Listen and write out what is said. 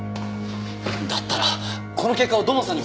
だったらこの結果を土門さんに報告しないと！